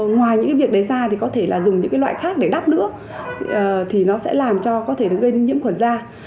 ngoài những cái việc đáy da thì có thể là dùng những cái loại khác để đắp nữa thì nó sẽ làm cho có thể nó gây nhiễm khuẩn da